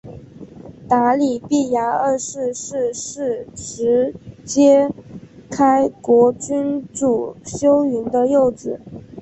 答里必牙二世是是实皆开国君主修云的幼子。